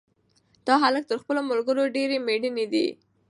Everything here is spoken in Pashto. دا هلک تر خپلو ملګرو ډېر مېړنی دی.